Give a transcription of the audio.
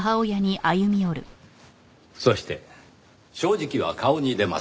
そして正直は顔に出ます。